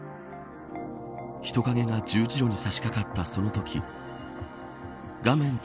人影が十字路に差し掛かったそのとき画面